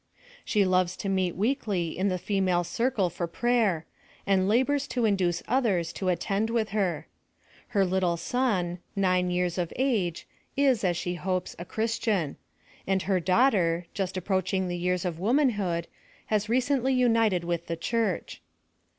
She loves to meet weekly in the female circle for prayer, and labors to induce others to attend with her. Her little son, nine years of ao^e, is, as she hopes, a Christian ; and her daugh ter, just approaching the years of womanhood, has recently united with the church.